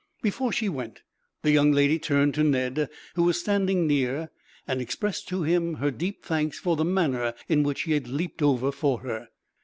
Before she went, the young lady turned to Ned, who was standing near, and expressed to him her deep thanks for the manner in which he had leapt over for her.